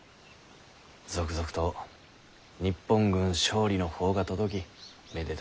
続々と日本軍勝利の報が届きめでたいことです。